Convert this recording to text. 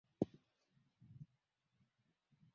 Wajaluo hasa kutokana na kuona kwani